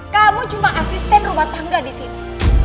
kamu cuma asisten rumah tangga di sini